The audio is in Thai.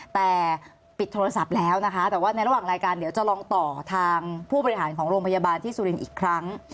แต่ปิดโทรศัพท์แล้วนะคะแต่ว่าในระหว่างรายการเดี๋ยวจะลองต่อทางผู้บริหารของโรงพยาบาลที่สุรินทร์อีกครั้ง